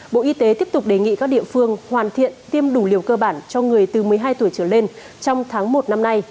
bộ y tế tiếp tục đề nghị các địa phương hoàn thiện tiêm đủ liều cơ bản cho người từ một mươi hai tuổi trở lên trong tháng một năm nay